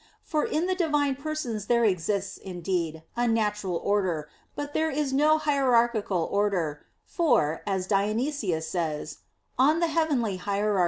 For in the Divine Persons there exists, indeed, a natural order, but there is no hierarchical order, for as Dionysius says (Coel. Hier.